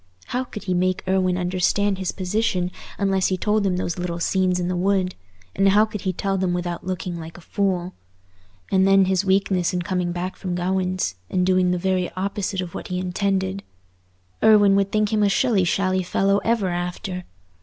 How could he make Irwine understand his position unless he told him those little scenes in the wood; and how could he tell them without looking like a fool? And then his weakness in coming back from Gawaine's, and doing the very opposite of what he intended! Irwine would think him a shilly shally fellow ever after.